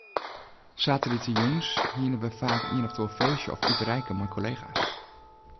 Saterdeitejûns hiene we faak ien of oar feestje of iterijke mei kollega's.